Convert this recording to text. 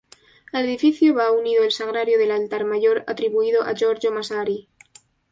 Al edificio va unido el Sagrario del altar mayor, atribuido a Giorgio Massari.